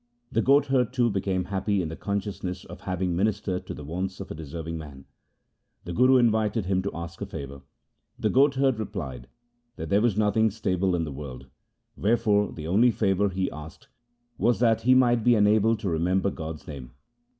The goatherd, too, became happy in the consciousness of having ministered to the Wants of a deserving man. The Guru invited him to ask a favour. The goatherd replied that there was nothing stable in the world, wherefore the only favour he asked was that he might be enabled to remember God's name.